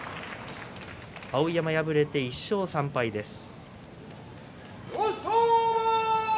碧山、敗れて１勝３敗です。